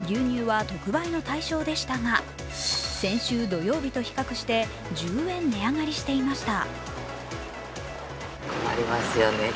こちらのスーパーでは昨日牛乳は特売の対象でしたが先週土曜日と比較して１０円値上がりしていました。